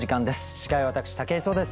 司会は私武井壮です。